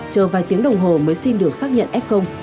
chờ vài tiếng đồng hồ mới xin được xác nhận f